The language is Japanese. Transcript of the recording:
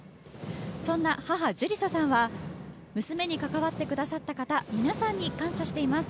そんな母・ジュリサさんは娘に関わってくださった方皆さんに感謝しています。